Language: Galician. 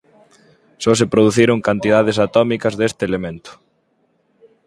Só se produciron cantidades atómicas deste elemento.